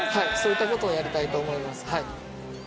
そういったことをやりたいと思います。